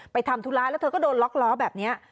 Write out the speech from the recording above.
ทำธุระแล้วเธอก็โดนล็อกล้อแบบนี้